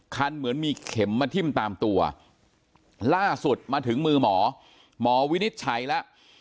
เหมือนมีเข็มมาทิ้มตามตัวล่าสุดมาถึงมือหมอหมอวินิจฉัยแล้ว